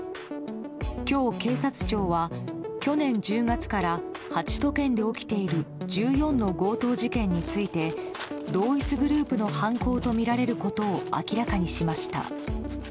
今日、警察庁は去年１０月から８都県で起きている１４の事件について同一グループの犯行とみられることを明らかにしました。